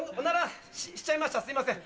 すいません